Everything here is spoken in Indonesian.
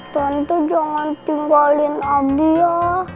tante jangan tinggalin ibu ya